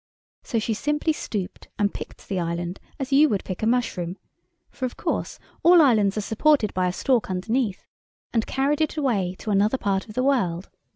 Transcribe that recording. So she simply stooped and picked the island as you would pick a mushroom—for, of course, all islands are supported by a stalk underneath—and carried it away to another part of the world.